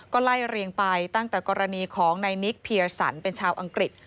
ก็ไล่เรียงไปตั้งแต่กรณีของนายนิกเพียสันเป็นชาวอังกฤษ